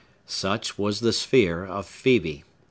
Such was the sphere of Phœbe.